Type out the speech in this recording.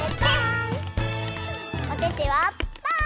おててはパー！